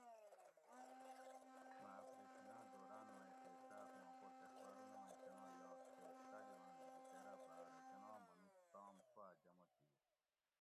مہ اپریشن آۤں دوراۤن مئ تے تاۤس ما پوت اخباۤرونہ مئ کۤنا یات تے طاۤلباۤن لِکِٹیر اۤ باۤرہ کۤناں منُوت تام سواۤ جمع کِیت